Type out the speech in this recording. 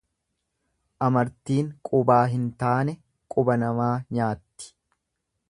Amartiin qubaa hin taane quba namaa nyaatti.